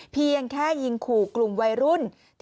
เพียงแค่ยิงขู่กลุ่มวัยรุ่น